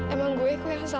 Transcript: emang gue yang salah